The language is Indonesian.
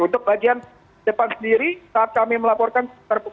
untuk bagian depan sendiri saat kami melaporkan